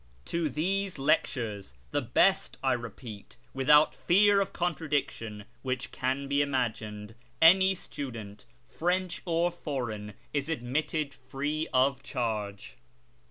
To these lectures (the best, I repeat, with out fear of contradiction, which can be imagined) any student, French or foreign, is admitted free of charge.